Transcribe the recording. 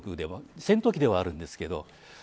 戦闘機ではあるんですけど。